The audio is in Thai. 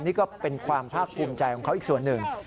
นี่ก็เป็นความภาคภูมิใจของเขาอีกส่วนหนึ่ง